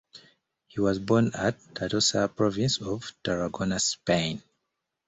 He was born at Tortosa, province of Tarragona, Spain.